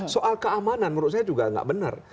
soal keamanan menurut saya juga nggak benar